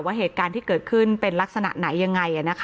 เหตุการณ์ที่เกิดขึ้นเป็นลักษณะไหนยังไง